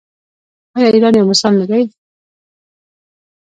آیا ایران یو مثال نه دی؟